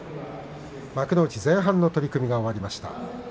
幕内前半の取組が終わりました。